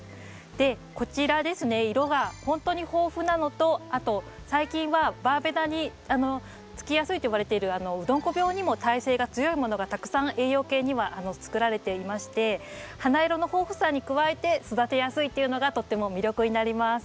こちらですね色がほんとに豊富なのとあと最近はバーベナにつきやすいといわれているうどんこ病にも耐性が強いものがたくさん栄養系には作られていまして花色の豊富さに加えて育てやすいというのがとっても魅力になります。